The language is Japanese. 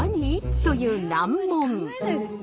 という難問。